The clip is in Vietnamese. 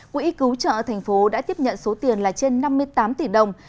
quỹ cứu trợ tp đã tiếp nhận số tiền là trên năm mươi tám tỷ đồng